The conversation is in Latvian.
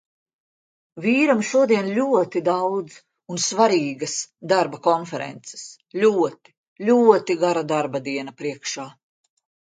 Vīram šodien ļoti daudz un svarīgas darba konferences, ļoti, ļoti gara darbadiena priekšā.